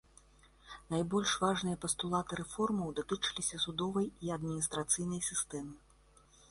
Найбольш важныя пастулаты рэформаў датычыліся судовай і адміністрацыйнай сістэмы.